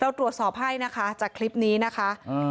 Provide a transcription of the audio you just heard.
ตรวจสอบให้นะคะจากคลิปนี้นะคะ